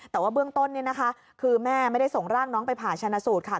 แต่ว่าเบื้องต้นเนี่ยนะคะคือแม่ไม่ได้ส่งร่างน้องไปผ่าชนะสูตรค่ะ